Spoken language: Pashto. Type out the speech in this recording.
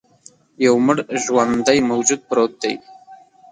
یو مړ ژواندی موجود پروت دی.